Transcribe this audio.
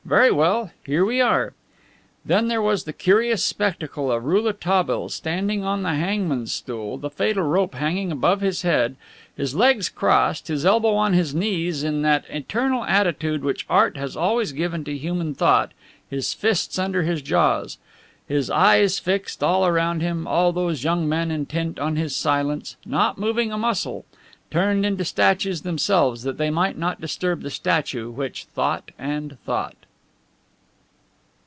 Very well, here we are." Then there was the curious spectacle of Rouletabille standing on the hangman's stool, the fatal rope hanging above his head, his legs crossed, his elbow on his knees in that eternal attitude which Art has always given to human thought, his fists under his jaws, his eyes fixed all around him, all those young men intent on his silence, not moving a muscle, turned into statues themselves that they might not disturb the statue which thought and thought.